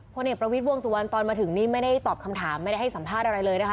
เอกประวิทย์วงสุวรรณตอนมาถึงนี่ไม่ได้ตอบคำถามไม่ได้ให้สัมภาษณ์อะไรเลยนะคะ